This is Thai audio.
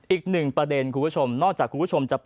อีกหนึ่งประเด็นคุณผู้ชม